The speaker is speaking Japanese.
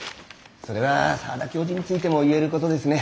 それは澤田教授についても言えることですね。